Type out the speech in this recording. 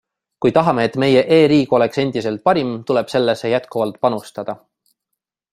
Kui tahame, et meie e-riik oleks endiselt parim, tuleb sellesse jätkuvalt panustada.